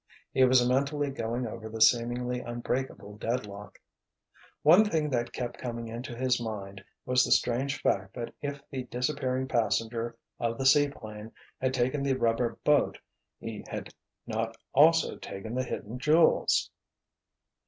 He was mentally going over the seemingly unbreakable deadlock. One thing that kept coming into his mind was the strange fact that if the disappearing passenger of the seaplane had taken the rubber boat he had not also taken the hidden jewels.